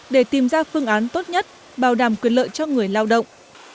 để tìm ra phương án tốt nhất bảo đảm quyền lợi cho người lao động